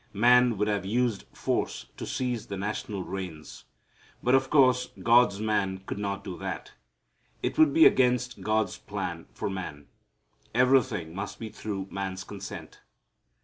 Man would have used force to seize the national reins. But, of course, God's man could not do that. It would be against God's plan for man. Everything must be through man's consent.